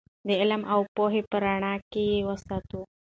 د علم او پوهې په رڼا کې یې وساتو.